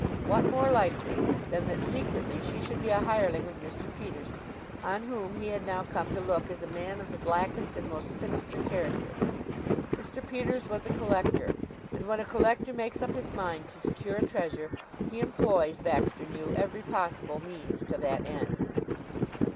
What more likely than that secretly she should be a hireling of Mr. Peters, on whom he had now come to look as a man of the blackest and most sinister character? Mr. Peters was a collector; and when a collector makes up his mind to secure a treasure, he employs, Baxter knew, every possible means to that end.